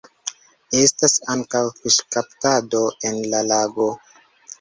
Estas ankaŭ fiŝkaptado en la lago.